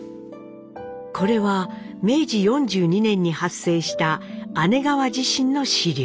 これは明治４２年に発生した姉川地震の資料。